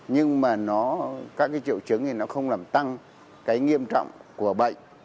nhưng mà nó các cái triệu chứng thì nó không làm tăng cái nghiêm trọng của bệnh